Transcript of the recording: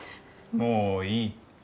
もういい。